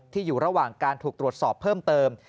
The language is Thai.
อยู่ระหว่างการถูกตรวจสอบเพิ่มเติม